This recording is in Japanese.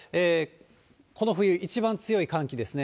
この冬一番強い寒気ですね。